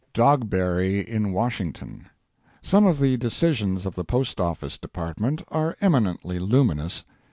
DOGBERRY IN WASHINGTON. Some of the decisions of the Post Office Department are eminently luminous.